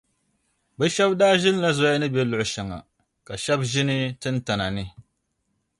Bɛ shɛb’ daa ʒinila zoya ni be luɣ’ shɛŋa, ka shɛb’ ʒini tintana ni.